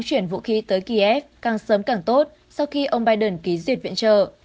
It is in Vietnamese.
chuyển vũ khí tới kiev càng sớm càng tốt sau khi ông biden ký duyệt viện trợ